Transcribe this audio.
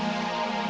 maaf pak kamarang